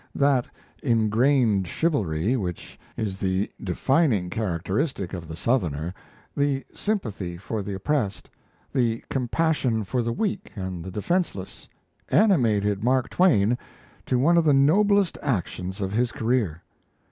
That ingrained chivalry which is the defining characteristic of the Southerner, the sympathy for the oppressed, the compassion for the weak and the defenceless, animated Mark Twain to one of the noblest actions of his career.